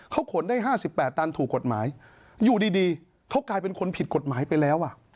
เขาขนได้๕๘ตันถูกกฎหมายอยู่ดีเขากลายเป็นคนผิดกฎหมายไปแล้ว